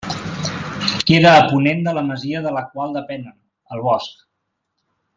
Queda a ponent de la masia de la qual depenen, el Bosc.